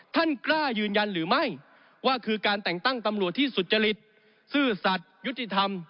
ท่านกล้ายืนยันหรือไม่ว่าคือการแต่งตั้งตำรวจที่สุจริตซื่อสัตว์ยุติธรรม